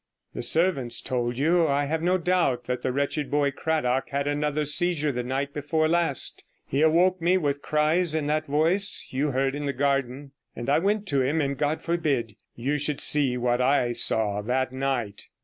The servants told you, I have no doubt, that the wretched boy Cradock had another seizure the night before last; he awoke me with cries in that voice you heard in the garden, and I went to him, and God forbid you should see what I saw that night.